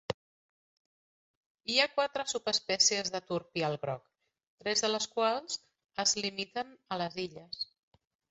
Hi ha quatre subespècies de turpial groc, tres de les quals es limiten a les illes.